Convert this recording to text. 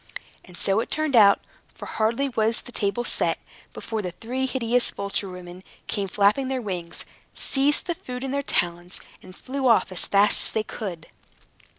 And so it turned out; for, hardly was the table set, before the three hideous vulture women came flapping their wings, seized the food in their talons, and flew off as fast as they could.